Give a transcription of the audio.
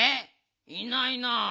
いないな。